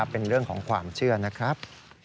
เป็นเรื่องของความเชื่อนะครับ